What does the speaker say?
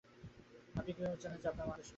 আপনি কীভাবে জানলেন যে আমরা আবার মানুষ হতে চাই?